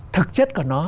thực chất của nó